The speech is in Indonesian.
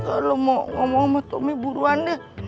kalau mau ngomong sama tomi buruan deh